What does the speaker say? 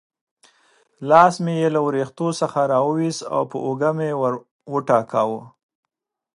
لاس مې یې له وریښتو څخه را وایست او پر اوږه مې وټکاوه.